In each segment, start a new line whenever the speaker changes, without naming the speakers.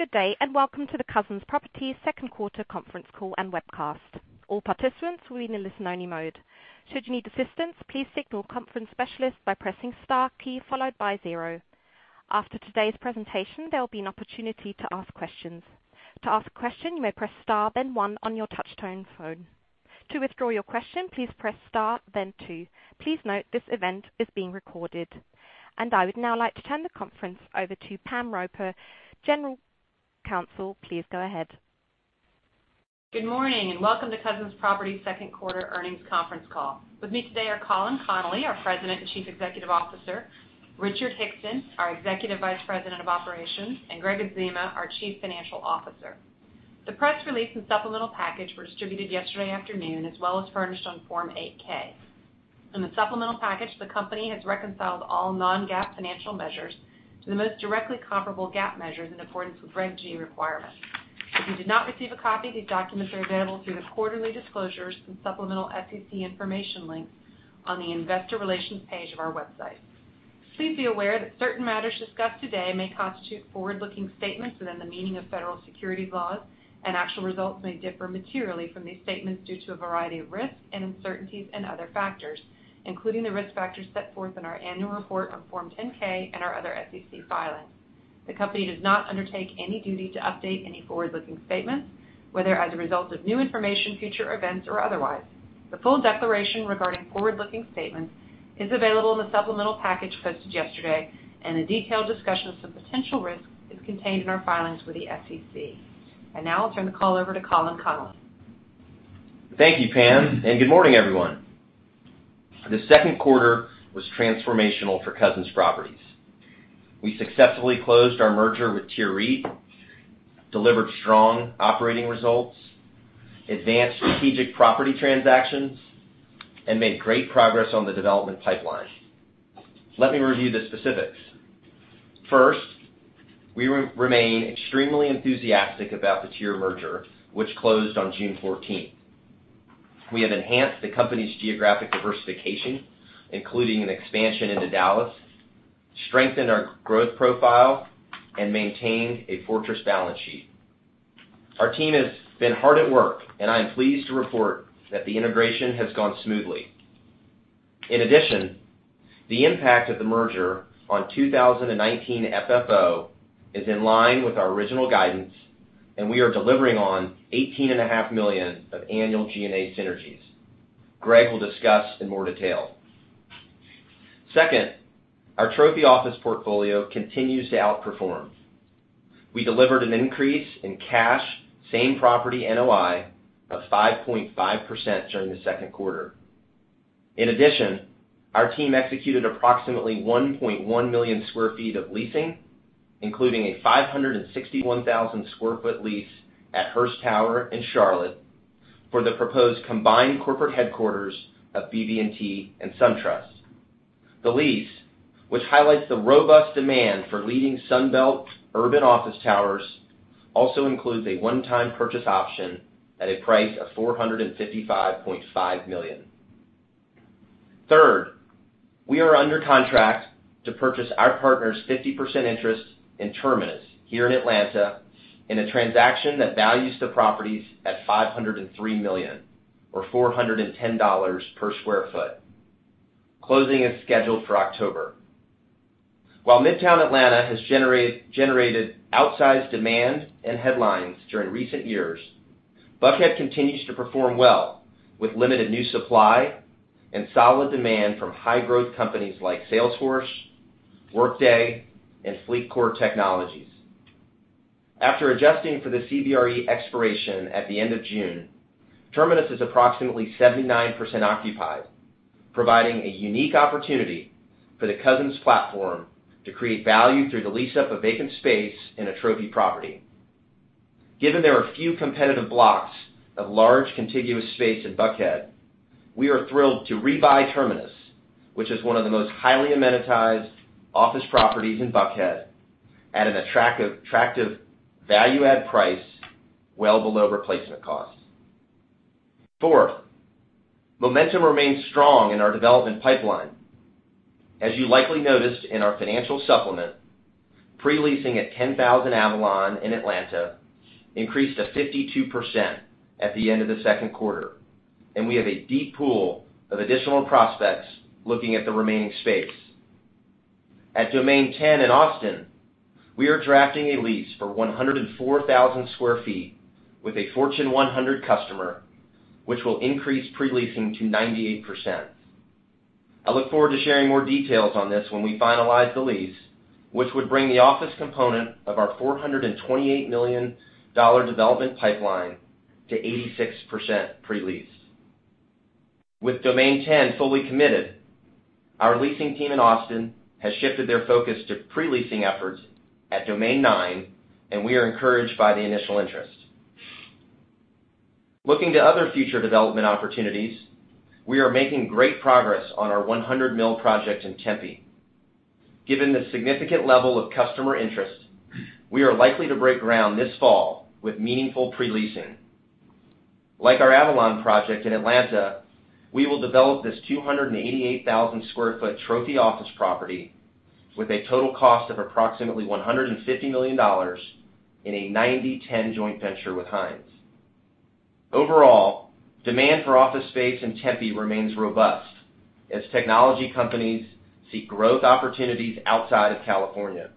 Good day. Welcome to the Cousins Properties second quarter conference call and webcast. All participants will be in listen-only mode. Should you need assistance, please signal a conference specialist by pressing the star key followed by 0. After today's presentation, there will be an opportunity to ask questions. To ask a question, you may press star then 1 on your touch-tone phone. To withdraw your question, please press star then 2. Please note this event is being recorded. I would now like to turn the conference over to Pam Roper, General Counsel. Please go ahead.
Good morning, and welcome to Cousins Properties second quarter earnings conference call. With me today are Colin Connolly, our President and Chief Executive Officer, Richard Hickson, our Executive Vice President of Operations, and Gregg Adzema, our Chief Financial Officer. The press release and supplemental package were distributed yesterday afternoon, as well as furnished on Form 8-K. In the supplemental package, the company has reconciled all non-GAAP financial measures to the most directly comparable GAAP measures in accordance with Reg G requirements. If you did not receive a copy, these documents are available through the quarterly disclosures and supplemental SEC information link on the investor relations page of our website. Please be aware that certain matters discussed today may constitute forward-looking statements within the meaning of federal securities laws, and actual results may differ materially from these statements due to a variety of risks and uncertainties and other factors, including the risk factors set forth in our annual report on Form 10-K and our other SEC filings. The company does not undertake any duty to update any forward-looking statements, whether as a result of new information, future events, or otherwise. The full declaration regarding forward-looking statements is available in the supplemental package posted yesterday, and a detailed discussion of the potential risks is contained in our filings with the SEC. Now I'll turn the call over to Colin Connolly.
Thank you, Pam. Good morning, everyone. The second quarter was transformational for Cousins Properties. We successfully closed our merger with TIER REIT, delivered strong operating results, advanced strategic property transactions, and made great progress on the development pipeline. Let me review the specifics. First, we remain extremely enthusiastic about the TIER merger, which closed on June 14th. We have enhanced the company's geographic diversification, including an expansion into Dallas, strengthened our growth profile, and maintained a fortress balance sheet. Our team has been hard at work, and I am pleased to report that the integration has gone smoothly. In addition, the impact of the merger on 2019 FFO is in line with our original guidance, and we are delivering on $18.5 million of annual G&A synergies. Gregg will discuss in more detail. Second, our trophy office portfolio continues to outperform. We delivered an increase in cash, same property NOI of 5.5% during the second quarter. In addition, our team executed approximately 1.1 million square feet of leasing, including a 561,000 square foot lease at Hearst Tower in Charlotte for the proposed combined corporate headquarters of BB&T and SunTrust. The lease, which highlights the robust demand for leading Sun Belt urban office towers, also includes a one-time purchase option at a price of $455.5 million. We are under contract to purchase our partner's 50% interest in Terminus here in Atlanta in a transaction that values the properties at $503 million or $410 per square foot. Closing is scheduled for October. While midtown Atlanta has generated outsized demand and headlines during recent years, Buckhead continues to perform well with limited new supply and solid demand from high-growth companies like Salesforce, Workday, and FleetCor Technologies. After adjusting for the CBRE expiration at the end of June, Terminus is approximately 79% occupied, providing a unique opportunity for the Cousins platform to create value through the lease-up of vacant space in a trophy property. Given there are few competitive blocks of large contiguous space in Buckhead, we are thrilled to rebuy Terminus, which is one of the most highly amenitized office properties in Buckhead at an attractive value add price well below replacement cost. Fourth, momentum remains strong in our development pipeline. As you likely noticed in our financial supplement, pre-leasing at 10000 Avalon in Atlanta increased to 52% at the end of the second quarter, and we have a deep pool of additional prospects looking at the remaining space. At Domain 10 in Austin, we are drafting a lease for 104,000 square feet with a Fortune 100 customer, which will increase pre-leasing to 98%. I look forward to sharing more details on this when we finalize the lease, which would bring the office component of our $428 million development pipeline to 86% pre-lease. With Domain 10 fully committed, our leasing team in Austin has shifted their focus to pre-leasing efforts at Domain 9. We are encouraged by the initial interest. Looking to other future development opportunities, we are making great progress on our 100 Mill project in Tempe. Given the significant level of customer interest, we are likely to break ground this fall with meaningful pre-leasing. Like our Avalon project in Atlanta, we will develop this 288,000 square foot trophy office property with a total cost of approximately $150 million in a 90/10 joint venture with Hines. Overall, demand for office space in Tempe remains robust as technology companies seek growth opportunities outside of California.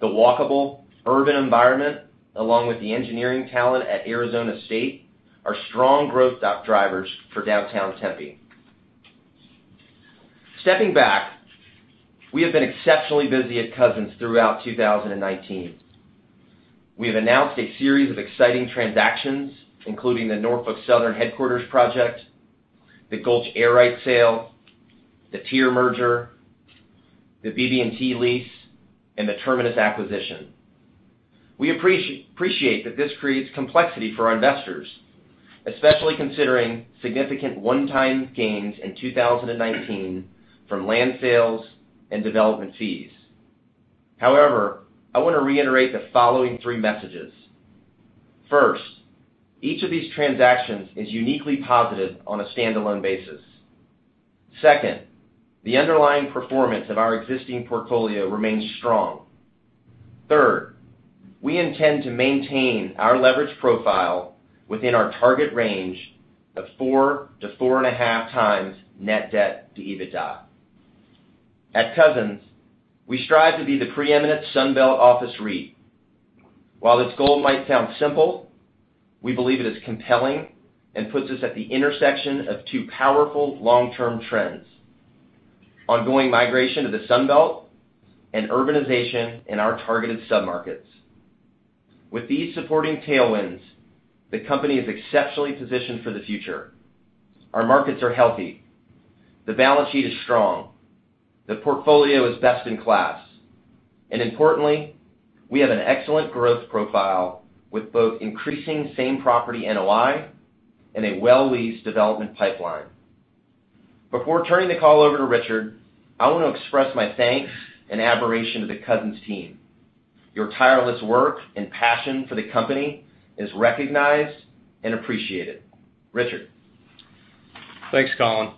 The walkable urban environment, along with the engineering talent at Arizona State, are strong growth drivers for downtown Tempe. Stepping back, we have been exceptionally busy at Cousins Properties throughout 2019. We have announced a series of exciting transactions, including the Norfolk Southern headquarters project, the Gulch air rights sale, the TIER merger, the BB&T lease, and the Terminus acquisition. We appreciate that this creates complexity for our investors, especially considering significant one-time gains in 2019 from land sales and development fees. However, I want to reiterate the following three messages. First, each of these transactions is uniquely positive on a standalone basis. Second, the underlying performance of our existing portfolio remains strong. Third, we intend to maintain our leverage profile within our target range of 4 to 4.5 times net debt to EBITDA. At Cousins Properties, we strive to be the preeminent Sun Belt office REIT. While this goal might sound simple, we believe it is compelling and puts us at the intersection of two powerful long-term trends. Ongoing migration to the Sun Belt and urbanization in our targeted sub-markets. With these supporting tailwinds, the company is exceptionally positioned for the future. Our markets are healthy. The balance sheet is strong. The portfolio is best in class. Importantly, we have an excellent growth profile with both increasing same-property NOI and a well-leased development pipeline. Before turning the call over to Richard, I want to express my thanks and admiration to the Cousins team. Your tireless work and passion for the company is recognized and appreciated. Richard?
Thanks, Colin.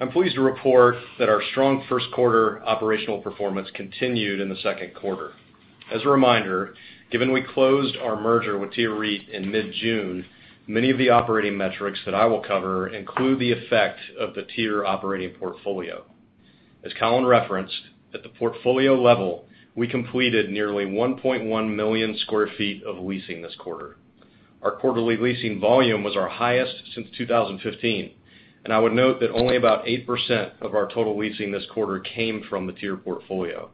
I'm pleased to report that our strong first quarter operational performance continued in the second quarter. As a reminder, given we closed our merger with TIER REIT in mid-June, many of the operating metrics that I will cover include the effect of the TIER operating portfolio. As Colin referenced, at the portfolio level, we completed nearly 1.1 million sq ft of leasing this quarter. Our quarterly leasing volume was our highest since 2015, and I would note that only about 8% of our total leasing this quarter came from the TIER portfolio.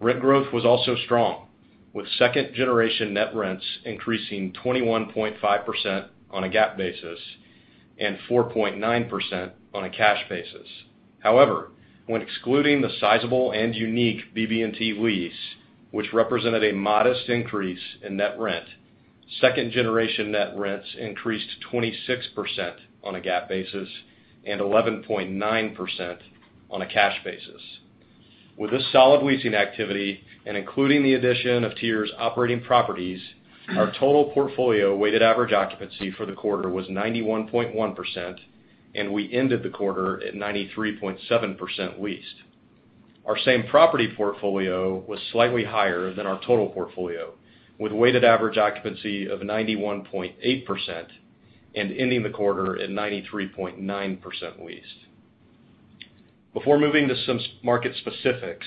Rent growth was also strong, with second-generation net rents increasing 21.5% on a GAAP basis and 4.9% on a cash basis. However, when excluding the sizable and unique BB&T lease, which represented a modest increase in net rent, second-generation net rents increased 26% on a GAAP basis and 11.9% on a cash basis. With this solid leasing activity and including the addition of TIER's operating properties, our total portfolio weighted average occupancy for the quarter was 91.1%, and we ended the quarter at 93.7% leased. Our same property portfolio was slightly higher than our total portfolio, with weighted average occupancy of 91.8% and ending the quarter at 93.9% leased. Before moving to some market specifics,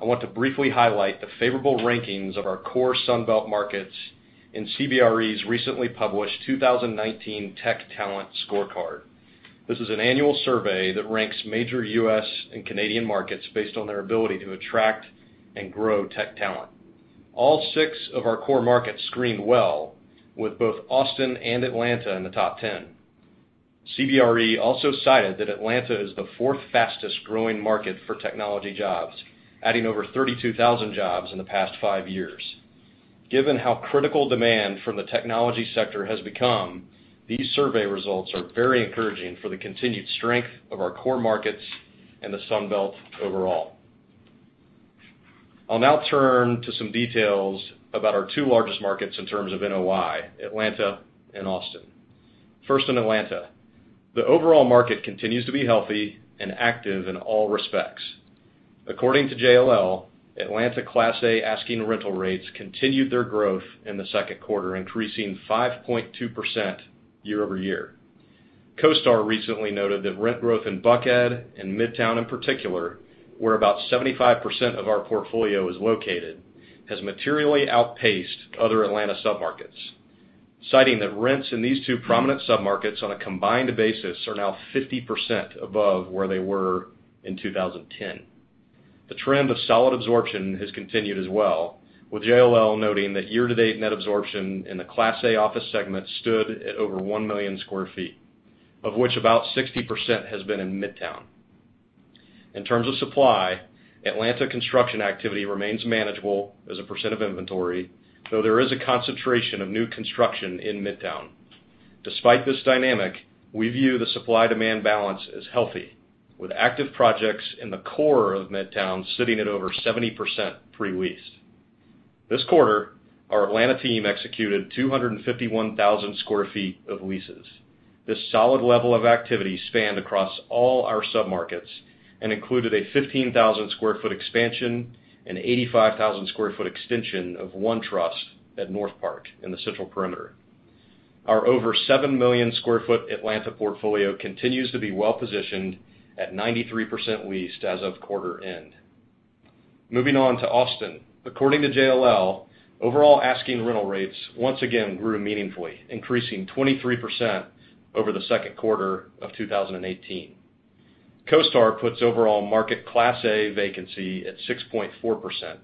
I want to briefly highlight the favorable rankings of our core Sun Belt markets in CBRE's recently published 2019 Tech Talent Scorecard. This is an annual survey that ranks major U.S. and Canadian markets based on their ability to attract and grow tech talent. All six of our core markets screened well with both Austin and Atlanta in the top 10. CBRE also cited that Atlanta is the fourth fastest-growing market for technology jobs, adding over 32,000 jobs in the past five years. Given how critical demand from the technology sector has become, these survey results are very encouraging for the continued strength of our core markets and the Sun Belt overall. I'll now turn to some details about our two largest markets in terms of NOI, Atlanta and Austin. First, in Atlanta. The overall market continues to be healthy and active in all respects. According to JLL, Atlanta Class A asking rental rates continued their growth in the second quarter, increasing 5.2% year-over-year. CoStar recently noted that rent growth in Buckhead and Midtown in particular, where about 75% of our portfolio is located, has materially outpaced other Atlanta submarkets, citing that rents in these two prominent submarkets on a combined basis are now 50% above where they were in 2010. The trend of solid absorption has continued as well, with JLL noting that year-to-date net absorption in the Class A office segment stood at over 1 million square feet, of which about 60% has been in Midtown. In terms of supply, Atlanta construction activity remains manageable as a percent of inventory, though there is a concentration of new construction in Midtown. Despite this dynamic, we view the supply-demand balance as healthy. With active projects in the core of Midtown sitting at over 70% pre-leased. This quarter, our Atlanta team executed 251,000 square feet of leases. This solid level of activity spanned across all our sub-markets and included a 15,000 square foot expansion and 85,000 square foot extension of OneTrust at Northpark in the Central Perimeter. Our over 7 million square foot Atlanta portfolio continues to be well-positioned at 93% leased as of quarter end. Moving on to Austin. According to JLL, overall asking rental rates once again grew meaningfully, increasing 23% over the second quarter of 2018. CoStar puts overall market Class A vacancy at 6.4%,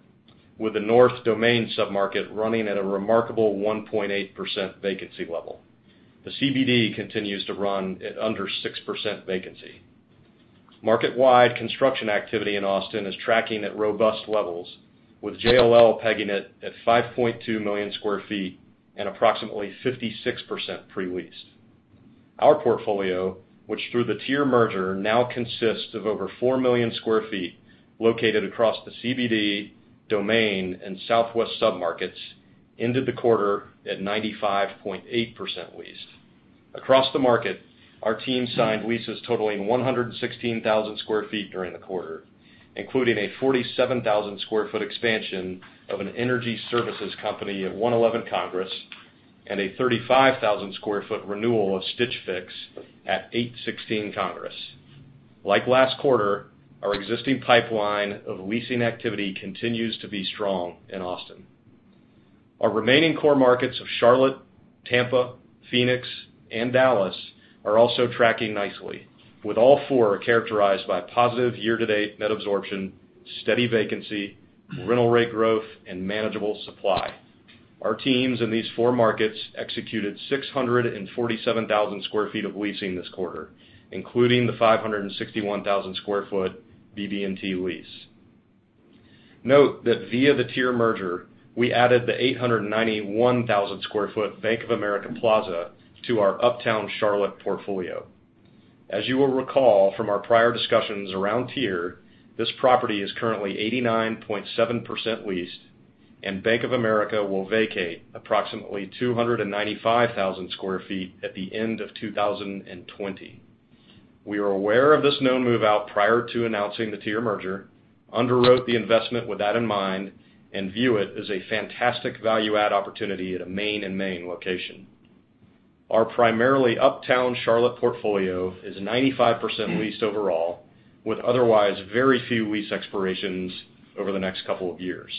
with the North Domain sub-market running at a remarkable 1.8% vacancy level. The CBD continues to run at under 6% vacancy. Market-wide construction activity in Austin is tracking at robust levels, with JLL pegging it at 5.2 million sq ft and approximately 56% pre-leased. Our portfolio, which through the TIER merger now consists of over 4 million sq ft located across the CBD, Domain, and Southwest sub-markets, ended the quarter at 95.8% leased. Across the market, our team signed leases totaling 116,000 sq ft during the quarter, including a 47,000 sq ft expansion of an energy services company at 111 Congress, and a 35,000 sq ft renewal of Stitch Fix at 816 Congress. Like last quarter, our existing pipeline of leasing activity continues to be strong in Austin. Our remaining core markets of Charlotte, Tampa, Phoenix, and Dallas are also tracking nicely, with all four characterized by positive year-to-date net absorption, steady vacancy, rental rate growth, and manageable supply. Our teams in these four markets executed 647,000 square feet of leasing this quarter, including the 561,000 square foot BB&T lease. Note that via the TIER merger, we added the 891,000 square foot Bank of America Plaza to our Uptown Charlotte portfolio. As you will recall from our prior discussions around TIER, this property is currently 89.7% leased and Bank of America will vacate approximately 295,000 square feet at the end of 2020. We were aware of this known move-out prior to announcing the TIER merger, underwrote the investment with that in mind, and view it as a fantastic value-add opportunity at a main-and-main location. Our primarily Uptown Charlotte portfolio is 95% leased overall, with otherwise very few lease expirations over the next couple of years.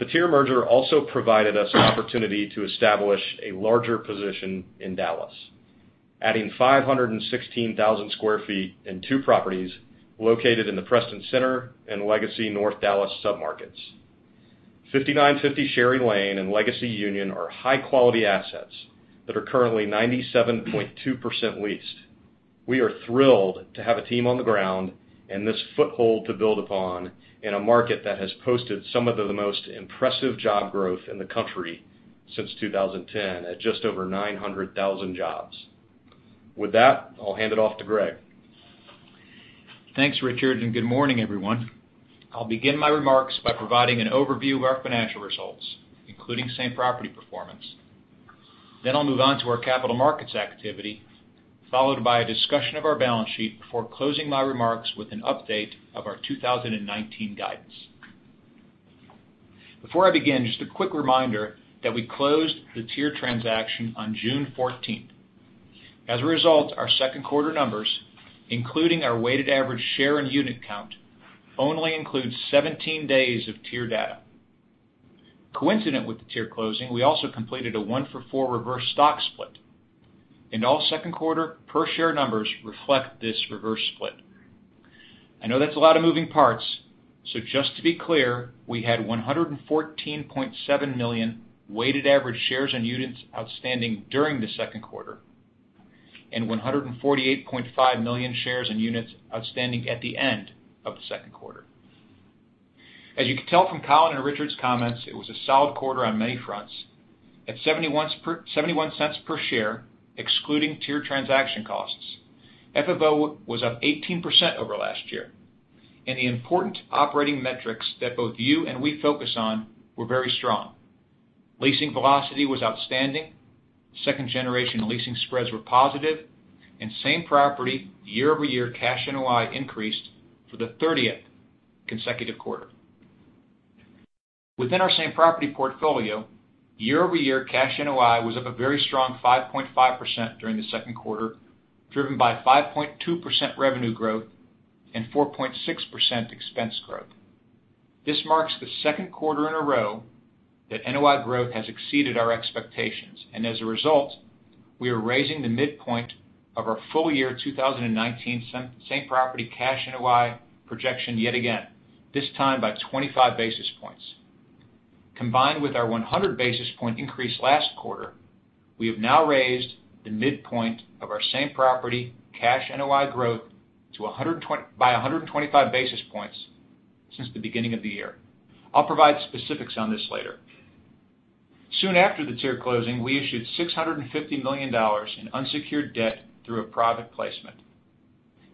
The TIER merger also provided us an opportunity to establish a larger position in Dallas, adding 516,000 sq ft and two properties located in the Preston Center and Legacy North Dallas sub-markets. 5950 Sherry Lane and Legacy Union are high-quality assets that are currently 97.2% leased. We are thrilled to have a team on the ground and this foothold to build upon in a market that has posted some of the most impressive job growth in the country since 2010, at just over 900,000 jobs. With that, I'll hand it off to Gregg.
Thanks, Richard, and good morning, everyone. I'll begin my remarks by providing an overview of our financial results, including same property performance. I'll move on to our capital markets activity, followed by a discussion of our balance sheet before closing my remarks with an update of our 2019 guidance. Before I begin, just a quick reminder that we closed the TIER transaction on June 14th. As a result, our second quarter numbers, including our weighted average share and unit count, only includes 17 days of TIER data. Coincident with the TIER closing, we also completed a one-for-four reverse stock split, and all second quarter per-share numbers reflect this reverse split. I know that's a lot of moving parts, just to be clear, we had $114.7 million weighted average shares and units outstanding during the second quarter, and $148.5 million shares and units outstanding at the end of the second quarter. As you can tell from Colin and Richard's comments, it was a solid quarter on many fronts. At $0.71 per share, excluding TIER transaction costs, FFO was up 18% over last year, and the important operating metrics that both you and we focus on were very strong. Leasing velocity was outstanding. Second-generation leasing spreads were positive. Same property year-over-year cash NOI increased for the 30th consecutive quarter. Within our same property portfolio, year-over-year cash NOI was up a very strong 5.5% during the second quarter, driven by 5.2% revenue growth and 4.6% expense growth. This marks the second quarter in a row that NOI growth has exceeded our expectations. As a result, we are raising the midpoint of our full-year 2019 same property cash NOI projection yet again, this time by 25 basis points. Combined with our 100 basis point increase last quarter, we have now raised the midpoint of our same property cash NOI growth by 125 basis points since the beginning of the year. Soon after the TIER closing, we issued $650 million in unsecured debt through a private placement.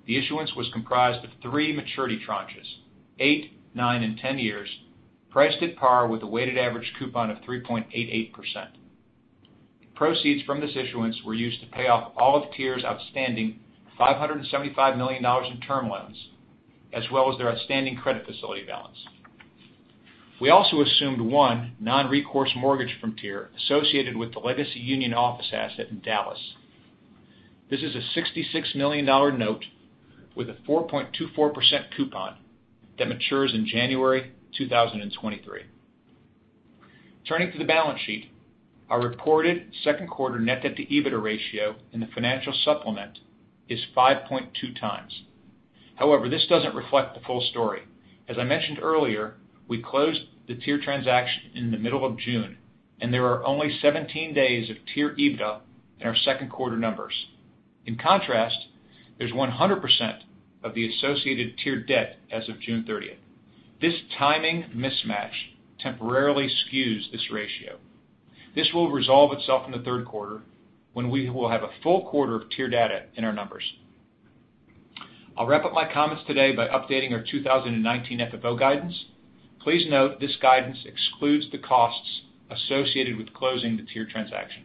The issuance was comprised of three maturity tranches, eight, nine and 10 years, priced at par with a weighted average coupon of 3.88%. Proceeds from this issuance were used to pay off all of TIER's outstanding $575 million in term loans, as well as their outstanding credit facility balance. We also assumed one non-recourse mortgage from TIER associated with the Legacy Union Office asset in Dallas. This is a $66 million note with a 4.24% coupon that matures in January 2023. Turning to the balance sheet, our reported second quarter net debt to EBITDA ratio in the financial supplement is 5.2 times. However, this doesn't reflect the full story. As I mentioned earlier, we closed the TIER transaction in the middle of June, and there are only 17 days of TIER EBITDA in our second quarter numbers. In contrast, there's 100% of the associated TIER debt as of June 30th. This timing mismatch temporarily skews this ratio. This will resolve itself in the third quarter, when we will have a full quarter of TIER data in our numbers. I'll wrap up my comments today by updating our 2019 FFO guidance. Please note this guidance excludes the costs associated with closing the TIER transaction.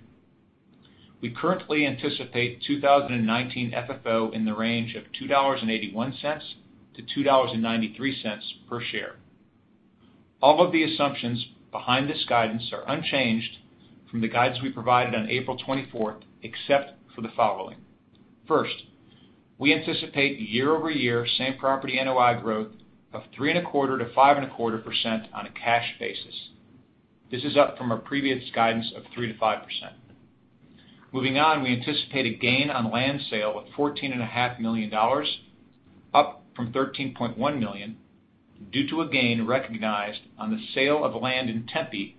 We currently anticipate 2019 FFO in the range of $2.81-$2.93 per share. All of the assumptions behind this guidance are unchanged from the guidance we provided on April 24th, except for the following. First, we anticipate year-over-year same property NOI growth of 3.25%-5.25% on a cash basis. This is up from our previous guidance of 3%-5%. Moving on, we anticipate a gain on land sale of $14.5 million, up from $13.1 million, due to a gain recognized on the sale of land in Tempe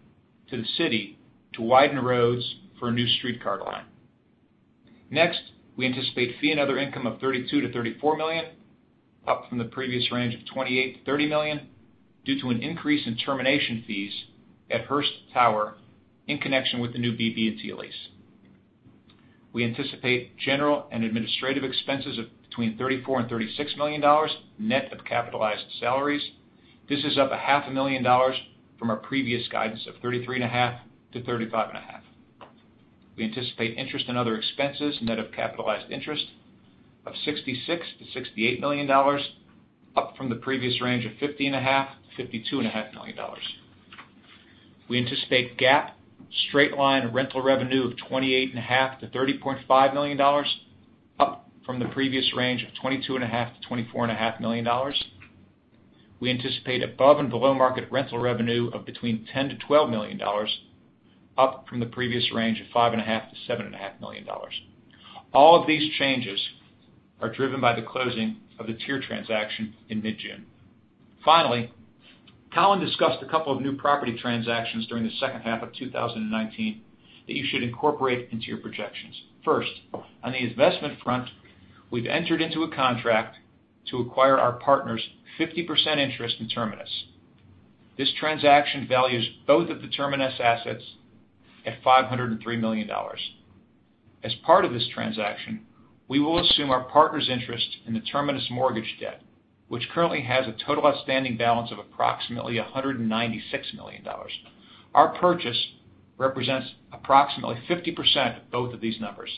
to the city to widen roads for a new streetcar line. We anticipate fee and other income of $32 million-$34 million, up from the previous range of $28 million-$30 million, due to an increase in termination fees at Hearst Tower in connection with the new BB&T lease. We anticipate general and administrative expenses of between $34 million and $36 million, net of capitalized salaries. This is up a half a million dollars from our previous guidance of $33.5 million-$35.5 million. We anticipate interest in other expenses, net of capitalized interest, of $66 million-$68 million, up from the previous range of $50.5 million-$52.5 million. We anticipate GAAP straight line rental revenue of $28.5 million-$30.5 million, up from the previous range of $22.5 million-$24.5 million. We anticipate above and below market rental revenue of $10 million-$12 million, up from the previous range of $5.5 million-$7.5 million. All of these changes are driven by the closing of the TIER transaction in mid-June. Finally, Colin discussed a couple of new property transactions during the second half of 2019 that you should incorporate into your projections. First, on the investment front, we've entered into a contract to acquire our partner's 50% interest in Terminus. This transaction values both of the Terminus assets at $503 million. As part of this transaction, we will assume our partner's interest in the Terminus mortgage debt, which currently has a total outstanding balance of approximately $196 million. Our purchase represents approximately 50% of both of these numbers.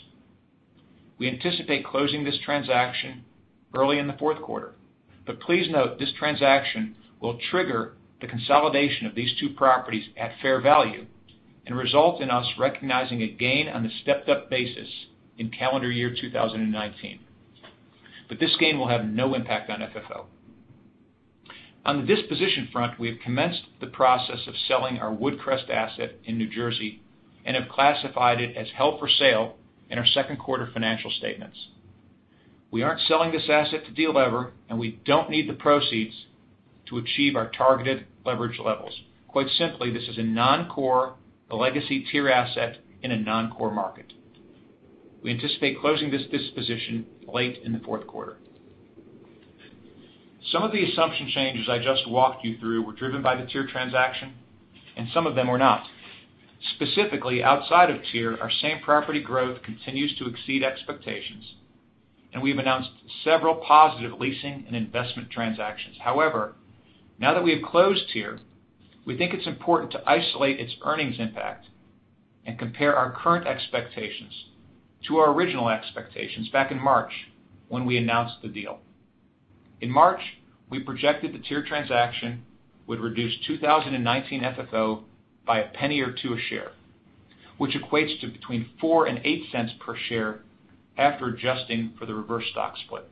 We anticipate closing this transaction early in the fourth quarter. Please note, this transaction will trigger the consolidation of these two properties at fair value and result in us recognizing a gain on the stepped-up basis in calendar year 2019. This gain will have no impact on FFO. On the disposition front, we have commenced the process of selling our Woodcrest asset in N.J. and have classified it as held for sale in our second quarter financial statements. We aren't selling this asset to delever, and we don't need the proceeds to achieve our targeted leverage levels. Quite simply, this is a non-core, legacy TIER asset in a non-core market. We anticipate closing this disposition late in the fourth quarter. Some of the assumption changes I just walked you through were driven by the TIER transaction, and some of them were not. Specifically, outside of TIER, our same property growth continues to exceed expectations. We've announced several positive leasing and investment transactions. Now that we have closed TIER, we think it's important to isolate its earnings impact and compare our current expectations to our original expectations back in March, when we announced the deal. In March, we projected the TIER transaction would reduce 2019 FFO by $0.01 or $0.02 a share, which equates to between $0.04 and $0.08 per share after adjusting for the reverse stock split.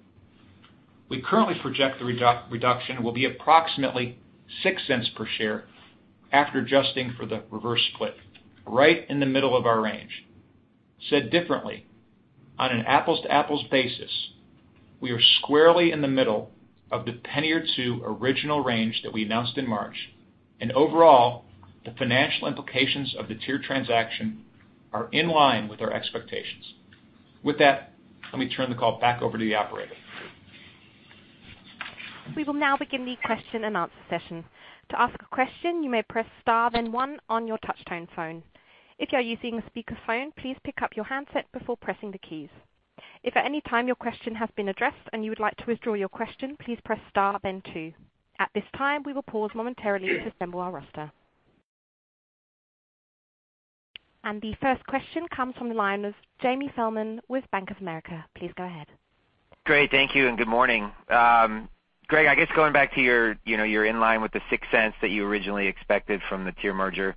We currently project the reduction will be approximately $0.06 per share after adjusting for the reverse split, right in the middle of our range. Said differently, on an apples-to-apples basis, we are squarely in the middle of the penny or two original range that we announced in March, and overall, the financial implications of the TIER transaction are in line with our expectations. With that, let me turn the call back over to the operator.
We will now begin the question and answer session. To ask a question, you may press star then 1 on your touch-tone phone. If you are using a speakerphone, please pick up your handset before pressing the keys. If at any time your question has been addressed and you would like to withdraw your question, please press star then 2. At this time, we will pause momentarily to assemble our roster. The first question comes from the line of Jamie Feldman with Bank of America. Please go ahead.
Great. Thank you. Good morning. Gregg, I guess going back to your in line with the $0.06 that you originally expected from the TIER merger.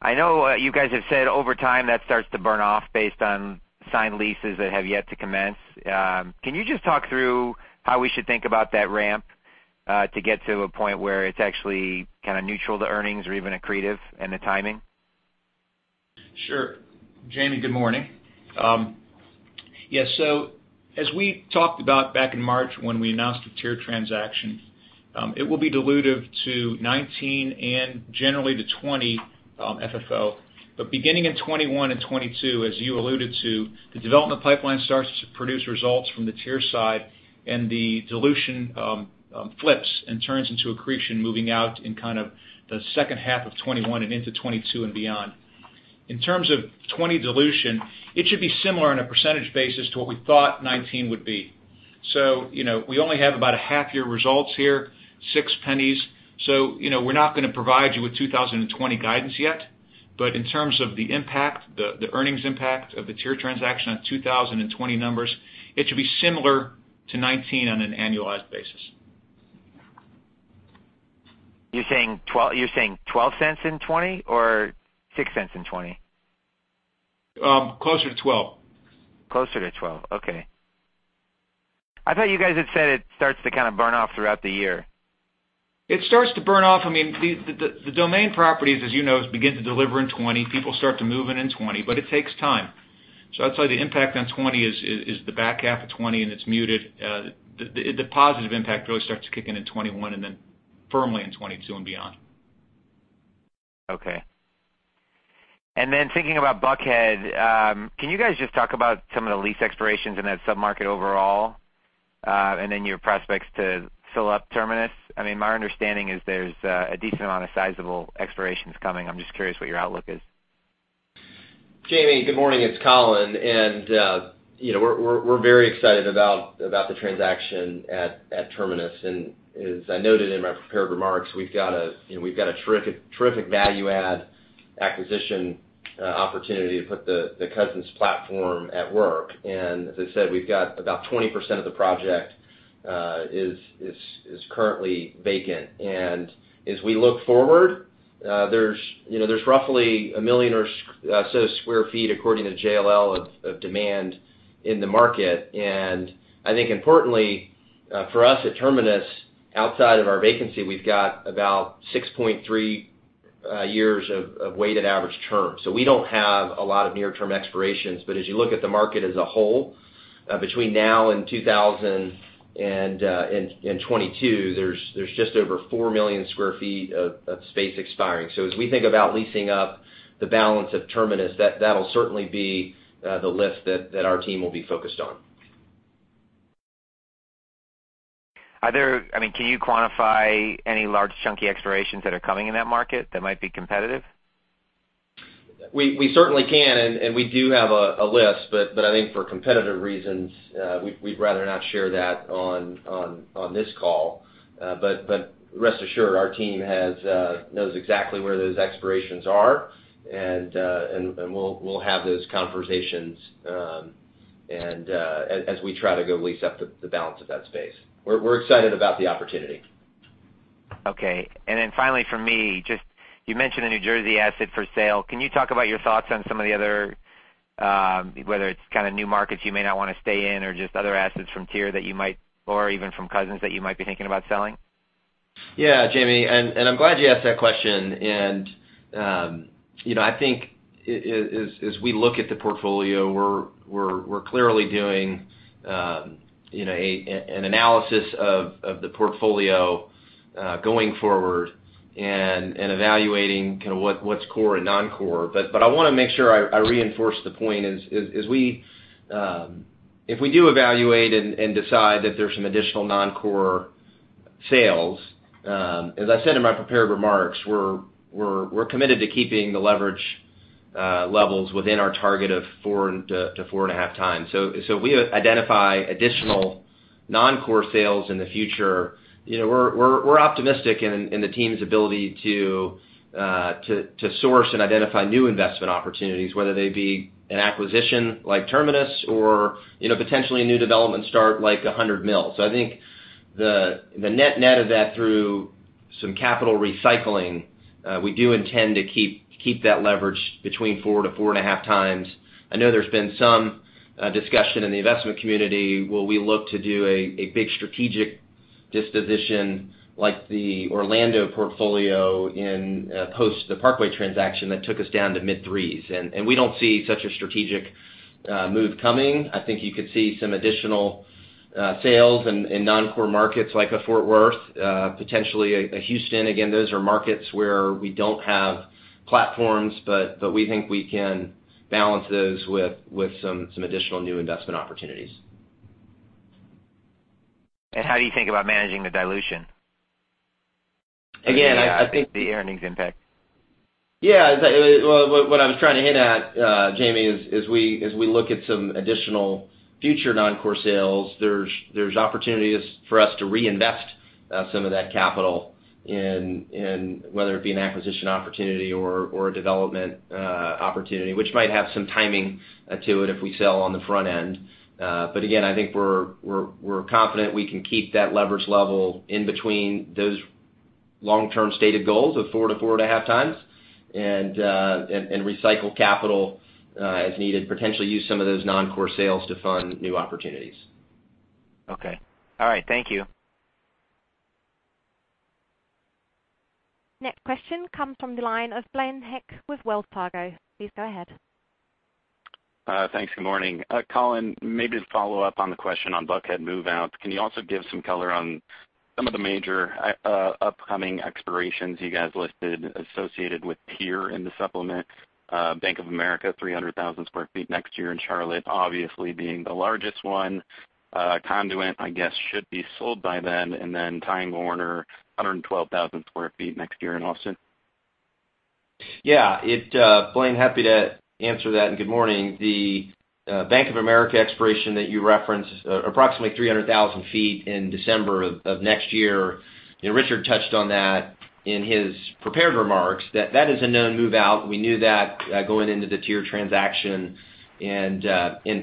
I know you guys have said over time that starts to burn off based on signed leases that have yet to commence. Can you just talk through how we should think about that ramp, to get to a point where it's actually kind of neutral to earnings or even accretive in the timing?
Sure. Jamie, good morning. As we talked about back in March when we announced the TIER transaction, it will be dilutive to 2019 and generally to 2020 FFO. Beginning in 2021 and 2022, as you alluded to, the development pipeline starts to produce results from the TIER side and the dilution flips and turns into accretion, moving out in the second half of 2021 and into 2022 and beyond. In terms of 2020 dilution, it should be similar on a percentage basis to what we thought 2019 would be. We only have about a half year results here, $0.06. We're not going to provide you with 2020 guidance yet. In terms of the impact, the earnings impact of the TIER transaction on 2020 numbers, it should be similar to 2019 on an annualized basis.
You're saying $0.12 in 2020 or $0.06 in 2020?
Closer to 12.
Closer to 12. Okay. I thought you guys had said it starts to kind of burn off throughout the year.
It starts to burn off. I mean, the Domain properties, as you know, begin to deliver in 2020. People start to move in in 2020, but it takes time. That's why the impact on 2020 is the back half of 2020, and it's muted. The positive impact really starts kicking in 2021 and then firmly in 2022 and beyond.
Okay. Thinking about Buckhead, can you guys just talk about some of the lease expirations in that sub-market overall, and then your prospects to fill up Terminus? My understanding is there's a decent amount of sizable expirations coming. I'm just curious what your outlook is.
Jamie, good morning, it's Colin, we're very excited about the transaction at Terminus. As I noted in my prepared remarks, we've got a terrific value-add acquisition opportunity to put the Cousins platform at work. As I said, we've got about 20% of the project is currently vacant. As we look forward, there's roughly 1 million or so square feet according to JLL, of demand in the market. I think importantly, for us at Terminus, outside of our vacancy, we've got about 6.3 years of weighted average term. We don't have a lot of near-term expirations, but as you look at the market as a whole, between now and 2022, there's just over 4 million square feet of space expiring. As we think about leasing up the balance of Terminus, that'll certainly be the lift that our team will be focused on.
Can you quantify any large chunky expirations that are coming in that market that might be competitive?
We certainly can, and we do have a list, but I think for competitive reasons, we'd rather not share that on this call. Rest assured, our team knows exactly where those expirations are, and we'll have those conversations as we try to go lease up the balance of that space. We're excited about the opportunity.
Okay. Finally from me, you mentioned the New Jersey asset for sale. Can you talk about your thoughts on some of the other, whether it's kind of new markets you may not want to stay in or just other assets from TIER or even from Cousins that you might be thinking about selling?
Yeah, Jamie, I'm glad you asked that question. I think as we look at the portfolio, we're clearly doing an analysis of the portfolio, going forward and evaluating what's core and non-core. I want to make sure I reinforce the point, if we do evaluate and decide that there's some additional non-core sales, as I said in my prepared remarks, we're committed to keeping the leverage levels within our target of four to four and a half times. We identify additional non-core sales in the future. We're optimistic in the team's ability to source and identify new investment opportunities, whether they be an acquisition like Terminus or potentially a new development start, like 100 Mill. I think the net of that through some capital recycling, we do intend to keep that leverage between four to four and a half times. I know there's been some discussion in the investment community, will we look to do a big strategic disposition like the Orlando portfolio post the Parkway transaction that took us down to mid-3s. We don't see such a strategic move coming. I think you could see some additional sales in non-core markets like a Fort Worth, potentially a Houston. Again, those are markets where we don't have platforms, but we think we can balance those with some additional new investment opportunities.
How do you think about managing the dilution?
Again, I think.
The earnings impact.
Yeah. Well, what I was trying to hit at, Jamie, as we look at some additional future non-core sales, there's opportunities for us to reinvest some of that capital in whether it be an acquisition opportunity or a development opportunity, which might have some timing to it if we sell on the front end. Again, I think we're confident we can keep that leverage level in between those long-term stated goals of 4-4.5 times, and recycle capital as needed, potentially use some of those non-core sales to fund new opportunities.
Okay. All right. Thank you.
Next question comes from the line of Blaine Heck with Wells Fargo. Please go ahead.
Thanks, good morning. Colin, maybe to follow up on the question on Buckhead move-out. Can you also give some color on some of the major upcoming expirations you guys listed associated with TIER in the supplement? Bank of America, 300,000 square feet next year in Charlotte, obviously being the largest one. Conduent, I guess, should be sold by then, and then Time Warner, 112,000 square feet next year in Austin.
Yeah. Blaine, happy to answer that, good morning. The Bank of America expiration that you referenced, approximately 300,000 feet in December of next year, Richard touched on that in his prepared remarks, that is a known move-out. We knew that going into the TIER transaction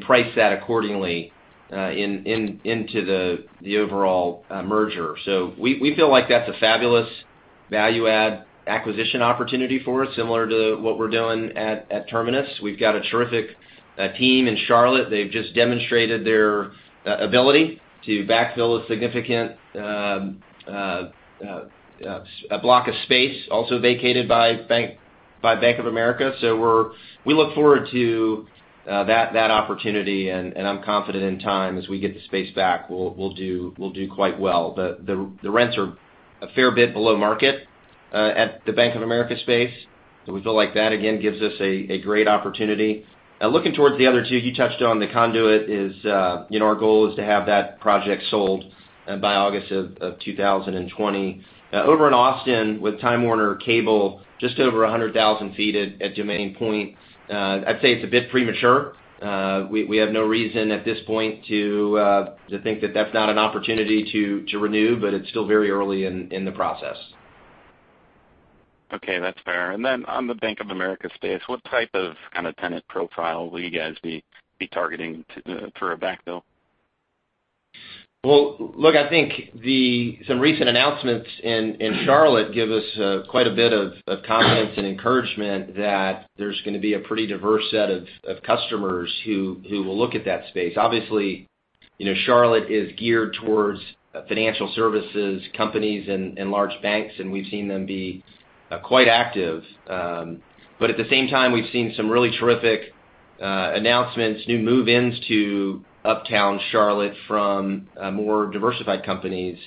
priced that accordingly into the overall merger. We feel like that's a fabulous value add acquisition opportunity for us, similar to what we're doing at Terminus. We've got a terrific team in Charlotte. They've just demonstrated their ability to backfill a significant block of space also vacated by Bank of America. We look forward to that opportunity, I'm confident in time, as we get the space back, we'll do quite well. The rents are a fair bit below market at the Bank of America space. We feel like that, again, gives us a great opportunity. Looking towards the other two you touched on, the Conduent, our goal is to have that project sold by August of 2020. Over in Austin, with Time Warner Cable, just over 100,000 feet at Domain Point. I'd say it's a bit premature. We have no reason at this point to think that that's not an opportunity to renew, but it's still very early in the process.
Okay, that's fair. On the Bank of America space, what type of tenant profile will you guys be targeting for a backfill?
Look, I think some recent announcements in Charlotte give us quite a bit of confidence and encouragement that there's going to be a pretty diverse set of customers who will look at that space. Obviously, Charlotte is geared towards financial services companies and large banks, and we've seen them be quite active. At the same time, we've seen some really terrific announcements, new move-ins to Uptown Charlotte from more diversified companies.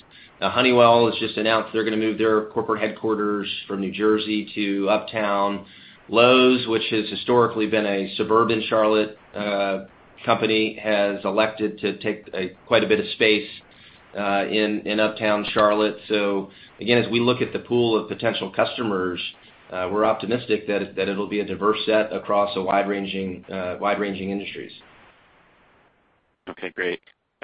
Honeywell has just announced they're going to move their corporate headquarters from New Jersey to Uptown. Lowe's, which has historically been a suburban Charlotte company, has elected to take quite a bit of space in Uptown Charlotte. Again, as we look at the pool of potential customers, we're optimistic that it'll be a diverse set across wide-ranging industries.
Okay, great.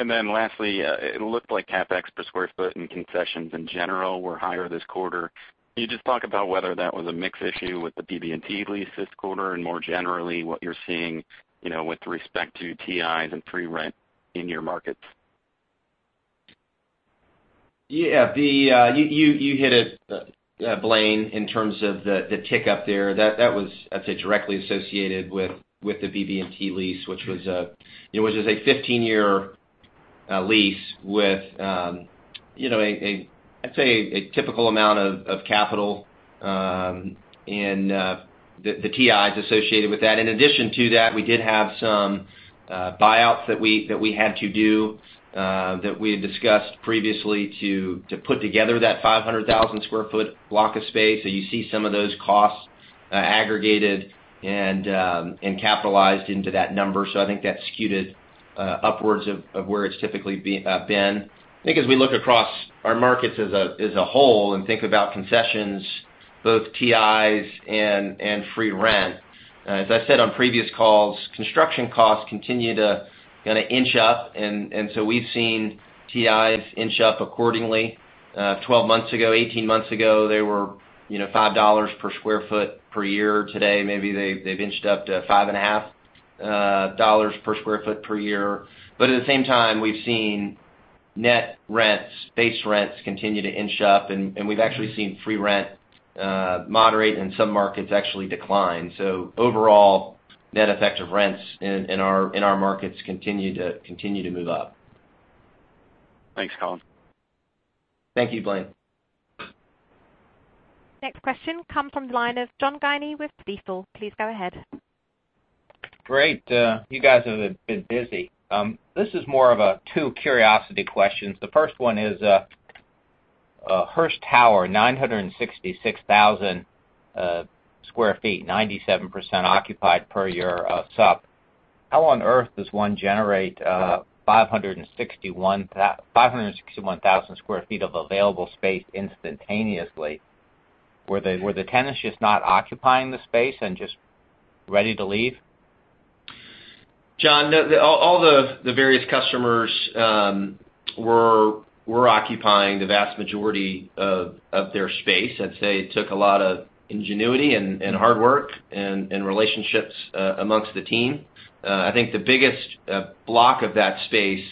Then lastly, it looked like CapEx per sq ft and concessions in general were higher this quarter. Can you just talk about whether that was a mix issue with the BB&T lease this quarter and more generally, what you're seeing with respect to TIs and free rent in your markets?
Yeah. You hit it, Blaine, in terms of the tick up there. That was, I'd say, directly associated with the BB&T lease, which was a 15-year lease with, I'd say, a typical amount of capital in the TIs associated with that. In addition to that, we did have some buyouts that we had to do, that we had discussed previously to put together that 500,000 square foot block of space. You see some of those costs aggregated and capitalized into that number. I think that's skewed upwards of where it's typically been. I think as we look across our markets as a whole and think about concessions, both TIs and free rent, as I said on previous calls, construction costs continue to kind of inch up, we've seen TIs inch up accordingly. 12 months ago, 18 months ago, they were $5 per square foot per year. Today, maybe they've inched up to $5.50 per sq ft per year. At the same time, we've seen net rents, base rents, continue to inch up, and we've actually seen free rent moderate and some markets actually decline. Overall, net effect of rents in our markets continue to move up.
Thanks, Colin.
Thank you, Blaine.
Next question comes from the line of John Guinee with Stifel. Please go ahead.
Great. You guys have been busy. This is more of a two curiosity questions. The first one is Hearst Tower, 966,000 square feet, 97% occupied per your sup. How on earth does one generate 561,000 square feet of available space instantaneously? Were the tenants just not occupying the space and just ready to leave?
John, all the various customers were occupying the vast majority of their space. I'd say it took a lot of ingenuity and hard work, and relationships amongst the team. I think the biggest block of that space,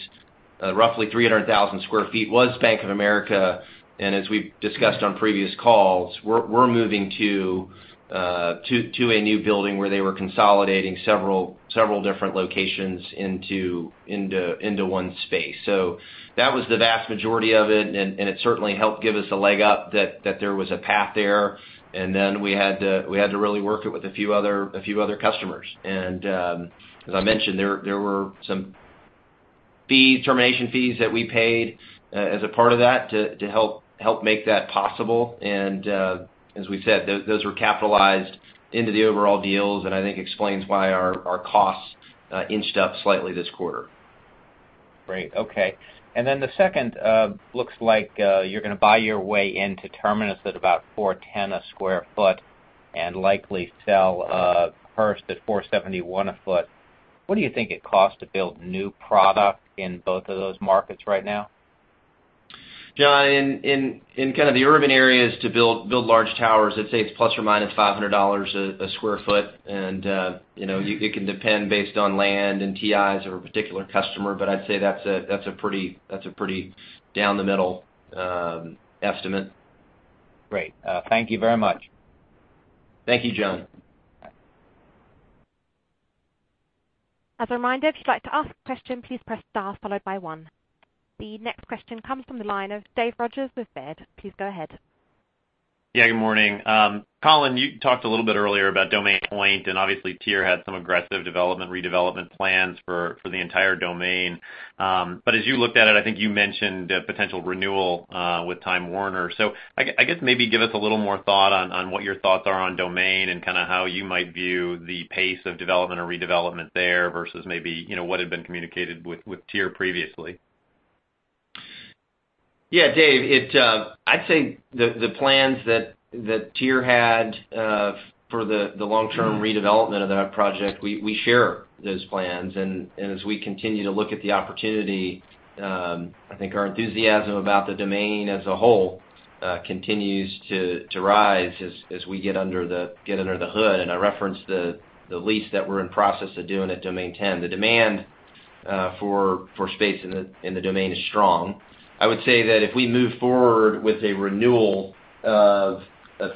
roughly 300,000 square feet, was Bank of America. As we've discussed on previous calls, we're moving to a new building where they were consolidating several different locations into one space. That was the vast majority of it, and it certainly helped give us a leg up that there was a path there. We had to really work it with a few other customers. As I mentioned, there were some termination fees that we paid as a part of that to help make that possible. As we said, those were capitalized into the overall deals, and I think explains why our costs inched up slightly this quarter.
Great. Okay. The second, looks like you're going to buy your way into Terminus at about $410 a square foot and likely sell Hearst at $471 a foot. What do you think it costs to build new product in both of those markets right now?
John, in kind of the urban areas to build large towers, I'd say it's ±$500 a square foot. It can depend based on land and TIs or a particular customer, but I'd say that's a pretty down the middle estimate.
Great. Thank you very much.
Thank you, John.
As a reminder, if you'd like to ask a question, please press star followed by one. The next question comes from the line of Dave Rodgers with Baird. Please go ahead.
Good morning. Colin, you talked a little bit earlier about Domain Point, and obviously, TIER REIT had some aggressive development, redevelopment plans for the entire Domain. As you looked at it, I think you mentioned potential renewal with Time Warner. I guess maybe give us a little more thought on what your thoughts are on Domain and kind of how you might view the pace of development or redevelopment there versus maybe what had been communicated with TIER REIT previously.
Yeah, Dave, I'd say the plans that TIER had for the long-term redevelopment of that project, we share those plans. As we continue to look at the opportunity, I think our enthusiasm about The Domain as a whole continues to rise as we get under the hood. I referenced the lease that we're in process of doing at Domain 10. The demand for space in The Domain is strong. I would say that if we move forward with a renewal of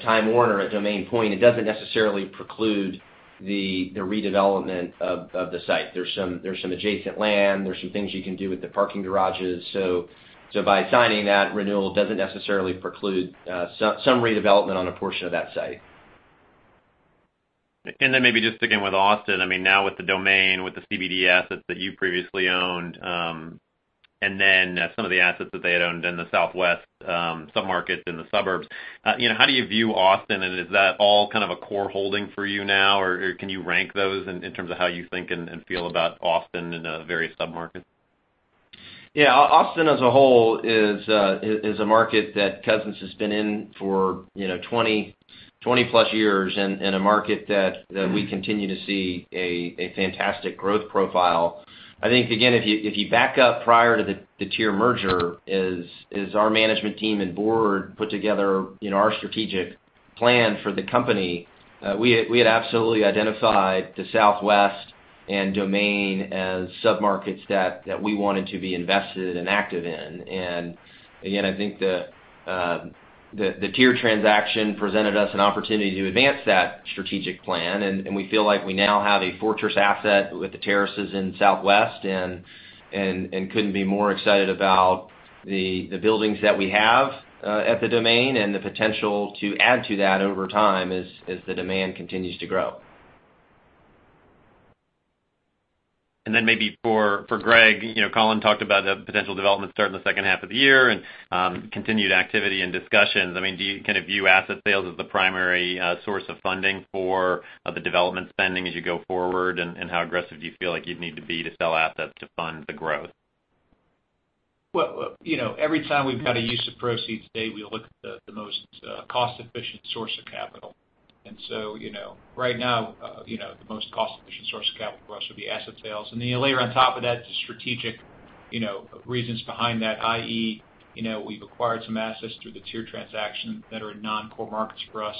Time Warner at Domain Point, it doesn't necessarily preclude the redevelopment of the site. There's some adjacent land, there's some things you can do with the parking garages. By signing that renewal, it doesn't necessarily preclude some redevelopment on a portion of that site.
Maybe just sticking with Austin, now with The Domain, with the CBD assets that you previously owned, and then some of the assets that they had owned in the Southwest sub-markets in the suburbs. How do you view Austin, and is that all kind of a core holding for you now? Can you rank those in terms of how you think and feel about Austin in the various sub-markets?
Austin, as a whole, is a market that Cousins has been in for 20-plus years, and a market that we continue to see a fantastic growth profile. I think, again, if you back up prior to the TIER merger, as our management team and board put together our strategic plan for the company, we had absolutely identified the Southwest and The Domain as sub-markets that we wanted to be invested and active in. Again, I think the TIER transaction presented us an opportunity to advance that strategic plan, and we feel like we now have a fortress asset with The Terrace in Southwest, and couldn't be more excited about the buildings that we have at The Domain and the potential to add to that over time as the demand continues to grow.
Maybe for Gregg, Colin talked about potential development starting the second half of the year and continued activity and discussions. Do you kind of view asset sales as the primary source of funding for the development spending as you go forward, and how aggressive do you feel like you'd need to be to sell assets to fund the growth?
Every time we've got a use of proceeds, Dave, we look at the most cost-efficient source of capital. Right now, the most cost-efficient source of capital for us would be asset sales. You layer on top of that the strategic reasons behind that, i.e., we've acquired some assets through the TIER transaction that are in non-core markets for us.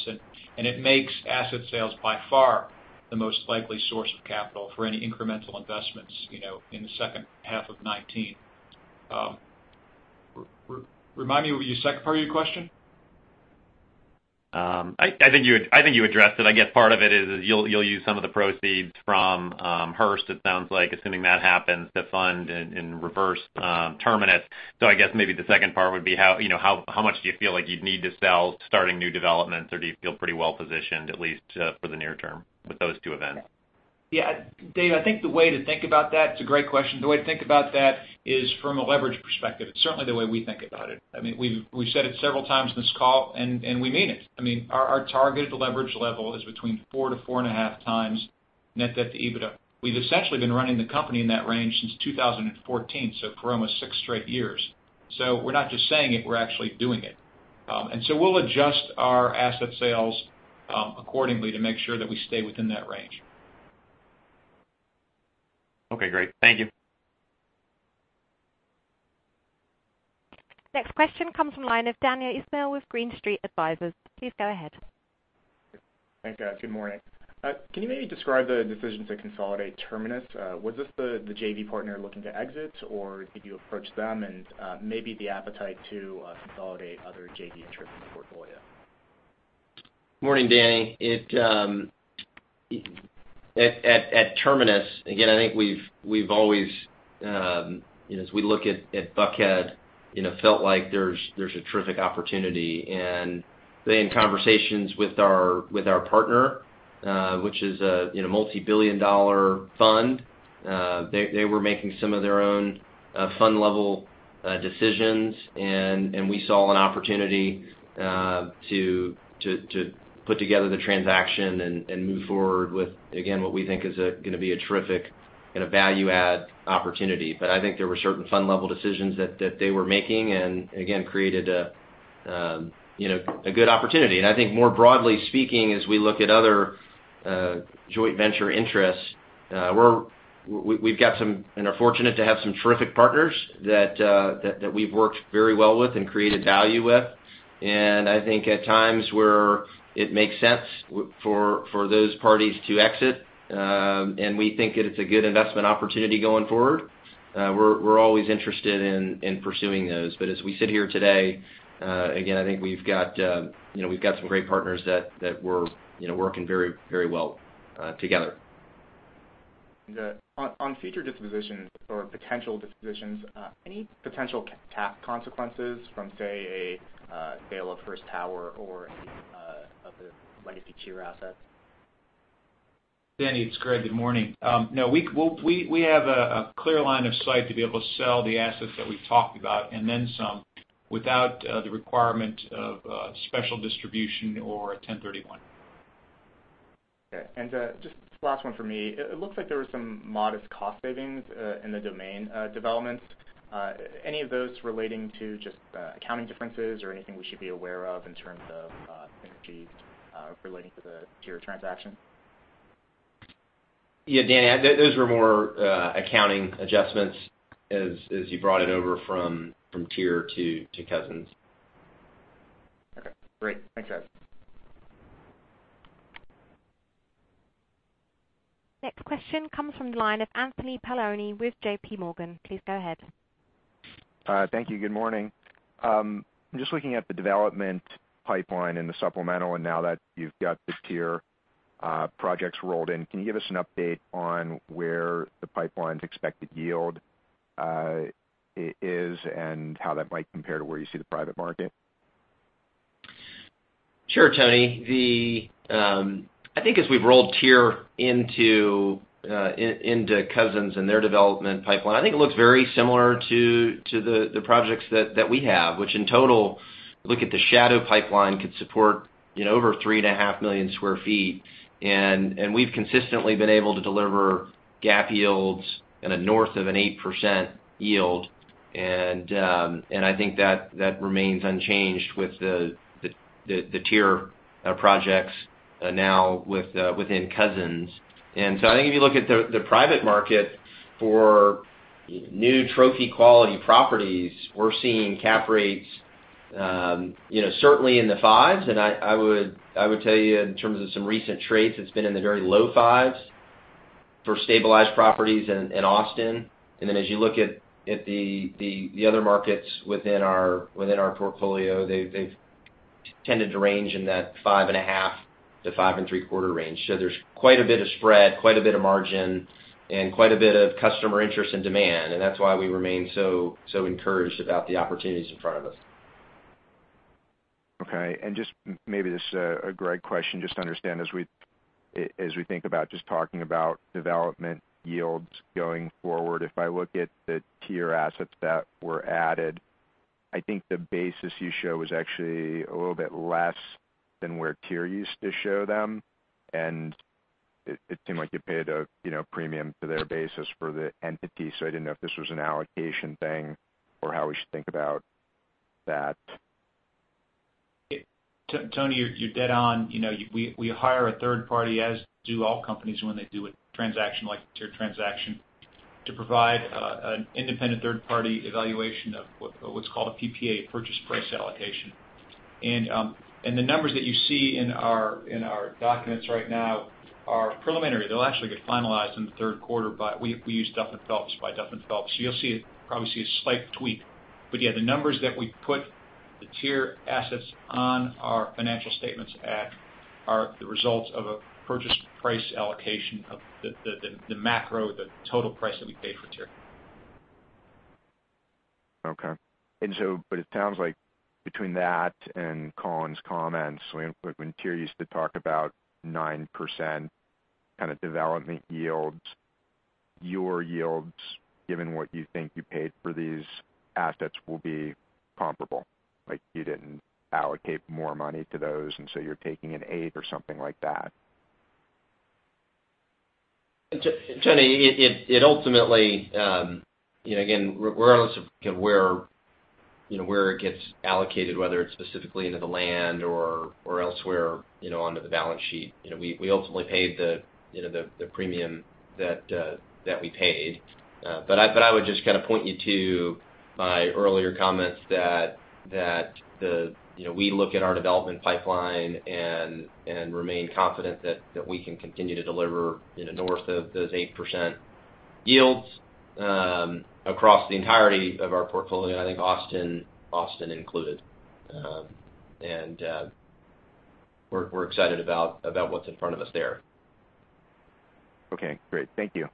It makes asset sales by far the most likely source of capital for any incremental investments in the second half of 2019. Remind me of the second part of your question?
I think you addressed it. I guess part of it is you'll use some of the proceeds from Hearst, it sounds like, assuming that happens, to fund and reverse Terminus. I guess maybe the second part would be how much do you feel like you'd need to sell starting new developments, or do you feel pretty well-positioned, at least for the near term, with those two events?
Yeah. Dave, it's a great question. The way to think about that is from a leverage perspective. It's certainly the way we think about it. We've said it several times in this call, and we mean it. Our targeted leverage level is between four to four and a half times net debt to EBITDA. We've essentially been running the company in that range since 2014, for almost six straight years. We're not just saying it, we're actually doing it. We'll adjust our asset sales accordingly to make sure that we stay within that range.
Okay, great. Thank you.
Next question comes from the line of Daniel Ismail with Green Street Advisors. Please go ahead.
Thanks, guys. Good morning. Can you maybe describe the decisions that consolidate Terminus? Was this the JV partner looking to exit, or did you approach them and maybe the appetite to consolidate other JV interests in the portfolio?
Morning, Danny. At Terminus, again, as we look at Buckhead, felt like there's a terrific opportunity. In conversations with our partner, which is a multi-billion-dollar fund, they were making some of their own fund-level decisions, and we saw an opportunity to put together the transaction and move forward with, again, what we think is going to be a terrific and a value-add opportunity. I think there were certain fund-level decisions that they were making, and again, created a good opportunity. I think more broadly speaking, as we look at other joint venture interests, we've got some, and are fortunate to have some terrific partners that we've worked very well with and created value with. I think at times where it makes sense for those parties to exit, and we think that it's a good investment opportunity going forward, we're always interested in pursuing those. As we sit here today, again, I think we've got some great partners that we're working very well together.
On future dispositions or potential dispositions, any potential tax consequences from, say, a sale of First Tower or any of the legacy TIER assets?
Danny, it's Gregg. Good morning. No, we have a clear line of sight to be able to sell the assets that we've talked about, and then some, without the requirement of a special distribution or a 1031.
Okay. Just last one from me. It looks like there was some modest cost savings in the Domain developments. Any of those relating to just accounting differences or anything we should be aware of in terms of energy, relating to the TIER transaction?
Yeah, Danny, those were more accounting adjustments as you brought it over from TIER to Cousins.
Okay, great. Thanks, guys.
Next question comes from the line of Anthony Paolone with JP Morgan. Please go ahead.
Thank you. Good morning. I'm just looking at the development pipeline in the supplemental, and now that you've got the TIER projects rolled in, can you give us an update on where the pipeline's expected yield is and how that might compare to where you see the private market?
Sure, Tony. I think as we've rolled TIER into Cousins and their development pipeline, I think it looks very similar to the projects that we have, which in total, look at the shadow pipeline could support over 3.5 million sq ft. We've consistently been able to deliver GAAP yields at a north of an 8% yield. I think that remains unchanged with the TIER projects now within Cousins. I think if you look at the private market for new trophy-quality properties, we're seeing cap rates certainly in the 5s. I would tell you in terms of some recent trades, it's been in the very low 5s for stabilized properties in Austin. As you look at the other markets within our portfolio, they've tended to range in that 5.5%-5.75% range. There's quite a bit of spread, quite a bit of margin, and quite a bit of customer interest and demand. That's why we remain so encouraged about the opportunities in front of us.
Maybe this is a Gregg question, just to understand as we think about just talking about development yields going forward. If I look at the TIER assets that were added, I think the basis you show is actually a little bit less than where TIER used to show them, and it seemed like you paid a premium for their basis for the entity. I didn't know if this was an allocation thing or how we should think about that.
Tony, you're dead on. We hire a third-party, as do all companies when they do a transaction like the TIER transaction, to provide an independent third-party evaluation of what's called a PPA, a purchase price allocation. The numbers that you see in our documents right now are preliminary. They'll actually get finalized in the third quarter, but we use Duff & Phelps. You'll probably see a slight tweak. Yeah, the numbers that we put the TIER assets on our financial statements at are the results of a purchase price allocation of the macro, the total price that we paid for TIER.
Okay. It sounds like between that and Colin's comments, when TIER used to talk about 9% kind of development yields, your yields, given what you think you paid for these assets, will be comparable. You didn't allocate more money to those, and so you're taking an eight or something like that.
Tony, again, we're almost where it gets allocated, whether it's specifically into the land or elsewhere onto the balance sheet. I would just kind of point you to my earlier comments that we look at our development pipeline and remain confident that we can continue to deliver north of those 8% yields across the entirety of our portfolio, and I think Austin included. We're excited about what's in front of us there.
Okay, great. Thank you.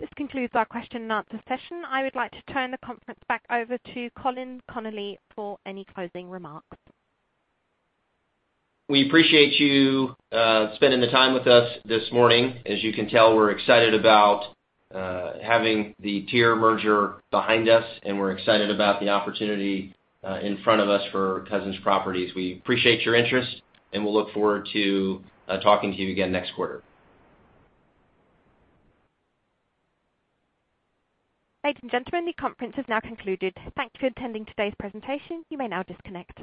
This concludes our question and answer session. I would like to turn the conference back over to Colin Connolly for any closing remarks.
We appreciate you spending the time with us this morning. As you can tell, we're excited about having the TIER merger behind us, and we're excited about the opportunity in front of us for Cousins Properties. We appreciate your interest, and we'll look forward to talking to you again next quarter.
Ladies and gentlemen, the conference has now concluded. Thank you for attending today's presentation. You may now disconnect.